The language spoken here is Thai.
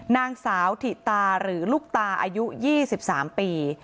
นางสาวถิตาหรือลูกตาอายุ๒๓ปี